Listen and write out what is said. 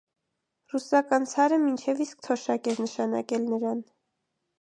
Ռուսական ցարը մինչև իսկ թոշակ էր նշանակել նրան։